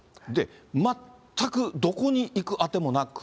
全くどこに行く当てもなく。